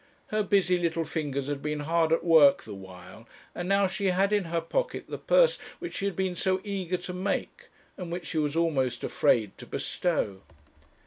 Her busy little fingers had been hard at work the while, and now she had in her pocket the purse which she had been so eager to make, and which she was almost afraid to bestow.